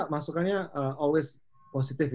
masukannya selalu positif ya